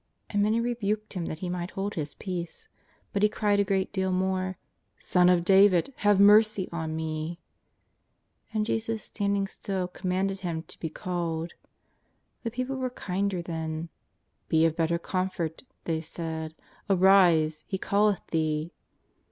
And many rebuked him that he might hold his peace, but he cried a great deal more ;'' Son of David, have mercy on me !" And Jesus standing still commanded him to be called. The people were kinder then :" Be of better comfort,'^ they said, " arise, He calleth thee.''